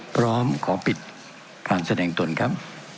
พร้อมขอปิดการแสดงตนครับ